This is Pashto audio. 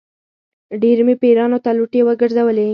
ډېر مې پیرانو ته لوټې ګرځولې.